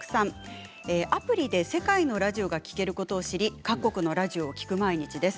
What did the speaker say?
アプリで世界のラジオが聞けることを知り各国のラジオを聞く毎日です。